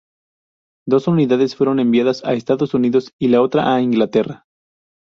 Dos unidades fueron enviadas a Estados Unidos y la otra a Inglaterra.